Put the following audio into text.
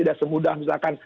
tidak semudah misalkan